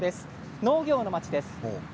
農業の町です。